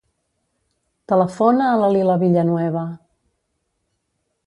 Telefona a la Lila Villanueva.